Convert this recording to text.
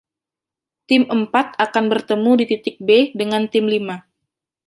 Tim Empat akan bertemu di titik B dengan tim Lima.